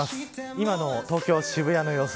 今の東京、渋谷の様子。